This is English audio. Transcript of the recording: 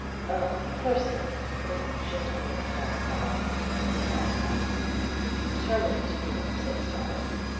"A person a gentleman, mademoiselle," replied Trappon, determined to be on the safe side.